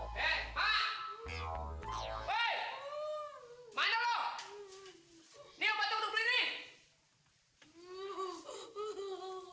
bapakku dia bilang aku memang manis